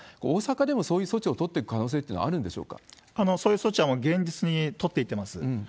大阪でもそういう措置を取ってく可能性というのはあるんでしょうそういう措置はもう現実に取っていってます。